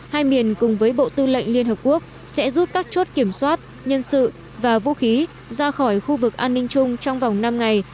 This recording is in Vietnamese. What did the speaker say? hai miền cùng với bộ tư lệnh liên hợp quốc sẽ rút các chốt kiểm soát nhân sự và vũ khí ra khỏi khu vực an ninh chung trong vòng năm ngày